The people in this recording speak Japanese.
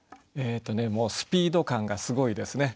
もうスピード感がすごいですね。